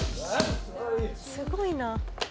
すごいな。